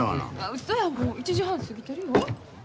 うそやもう１時半過ぎてるよ。